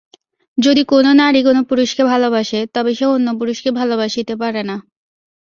যদি কোন নারী কোন পুরুষকে ভালবাসে, তবে সে অন্য-পুরুষকে ভালবাসিতে পারে না।